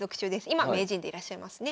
今名人でいらっしゃいますね。